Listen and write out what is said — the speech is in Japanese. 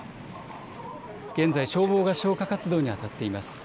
現在、消防が消火活動にあたっています。